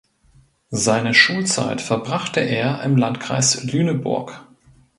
Seine Schulzeit verbrachte er im Landkreis Lüneburg.